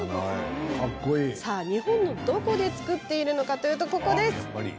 日本のどこで作っているかというと、ここです。